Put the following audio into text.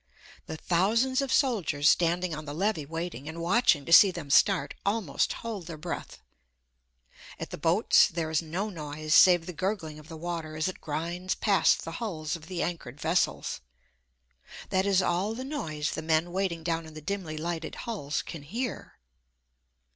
The thousands of soldiers standing on the levee waiting, and watching to see them start, almost hold their breath. At the boats there is no noise save the gurgling of the water as it grinds past the hulls of the anchored vessels. That is all the noise the men waiting down in the dimly lighted hulls can hear.